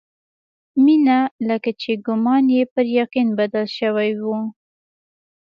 مينه لکه چې ګومان يې پر يقين بدل شوی و.